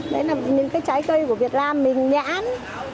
đấy là những cái trái cây của việt nam mình nhãn